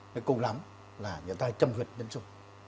nói cùng lắm là người ta trâm tuyết nhân dung